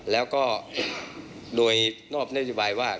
แล้วก็โดยนอกแนะนำว่า